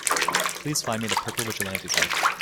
Please find me The Purple Vigilantes book.